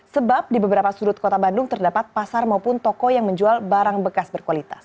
sebab di beberapa sudut kota bandung terdapat pasar maupun toko yang menjual barang bekas berkualitas